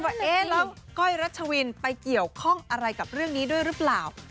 ว่าเอ๊ะแล้วก้อยรัชวินไปเกี่ยวข้องอะไรกับเรื่องนี้ด้วยหรือเปล่า